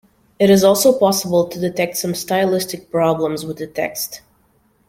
It is also possible to detect some stylistic problems with the text.